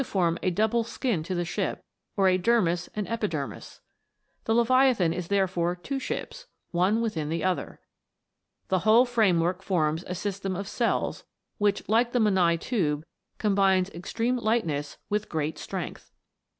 form a double skin to the ship, or a dermis and epi dermis ; the Leviathan is therefore two ships, one within the other. The whole framework forms a system of cells, which, like the Menai tube, com bines extreme lightness with great strength.